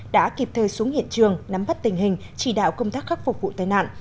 đã kịp thời xuống hiện trường nắm bắt tình hình chỉ đạo công tác khắc phục vụ tai nạn